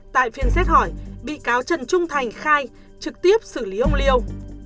tại phiên xét hỏi bị cáo trần trung thành khai trực tiếp xử lý ông liêu